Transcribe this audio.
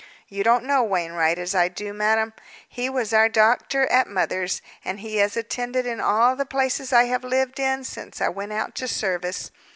You don't know Wainwright as I do, madame. He was our doctor at mother's; and he has attended in all the places I have lived in since I went out to service.